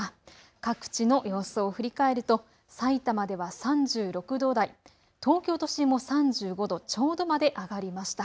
各地の様子を振り返るとさいたまでは３６度台、東京都心も３５度ちょうどまで上がりました。